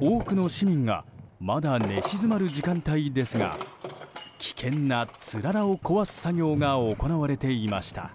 多くの市民がまだ寝静まる時間帯ですが危険なつららを壊す作業が行われていました。